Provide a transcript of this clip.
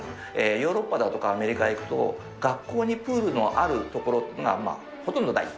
ヨーロッパだとかアメリカへ行くと、学校にプールのあるところがほとんどない。